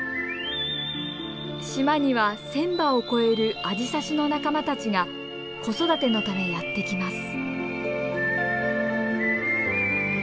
島には１，０００羽を超えるアジサシの仲間たちが子育てのためやって来ます。